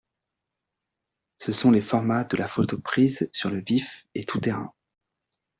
Ce sont les formats de la photo prise sur le vif et tout-terrain.